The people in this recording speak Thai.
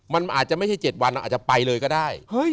มันอาจจะไม่ใช่๗วันอาจจะไปเลยก็ได้